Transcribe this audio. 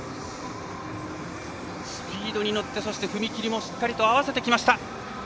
スピードに乗って、踏み切りもしっかり合わせてきました。